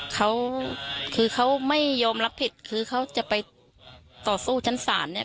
เขาคือเขาไม่ยอมรับผิดคือเขาจะไปต่อสู้ชั้นศาลเนี่ย